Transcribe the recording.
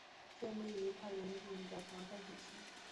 建立一套严谨的防灾体系